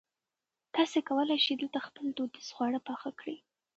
تاسي کولای شئ دلته خپل دودیز خواړه پخ کړي.